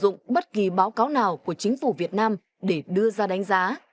sử dụng bất kỳ báo cáo nào của chính phủ việt nam để đưa ra đánh giá